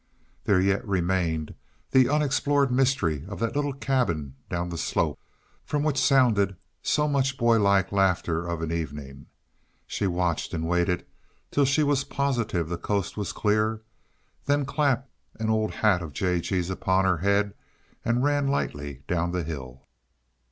There yet remained the unexplored mystery of that little cabin down the slope, from which sounded so much boylike laughter of an evening. She watched and waited till she was positive the coast was clear, then clapped an old hat of J. G.'s upon her head and ran lightly down the hill.